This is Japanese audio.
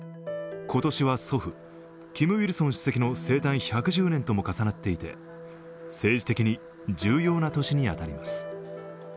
今年は祖父、キム・イルソン主席の生誕１１０年とも重ねっていて政治的に重要な年に当たります。